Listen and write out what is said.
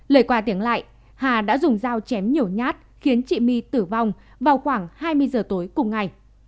lời qua tiếng lại hà đã dùng dao chém nhiều nhát khiến chị my tử vong vào khoảng hai mươi giờ tối cùng ngày